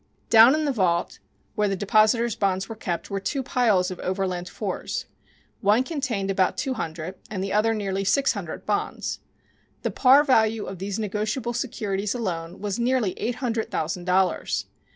Down in the vault where the depositors' bonds were kept were two piles of Overland 4s. One contained about two hundred and the other nearly six hundred bonds. The par value of these negotiable securities alone was nearly eight hundred thousand dollars.